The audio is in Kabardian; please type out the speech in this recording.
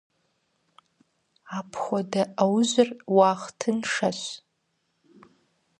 Апхуэдэ Ӏэужьыр уахътыншэщ.